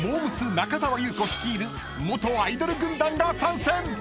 中澤裕子率いる元アイドル軍団が参戦！］